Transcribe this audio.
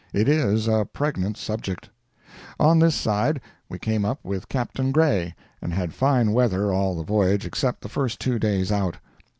It is a pregnant subject. On this side we came up with Captain Gray, and had fine weather all the voyage except the first two days out.